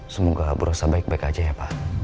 semoga berusaha baik baik aja ya pak